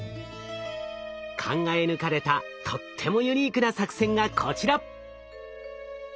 考え抜かれたとってもユニークな作戦がこちら。